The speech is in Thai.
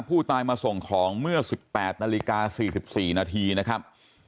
ผู้ตายมาส่งของเมื่อ๑๘นาฬิกา๔๔นาทีนะครับ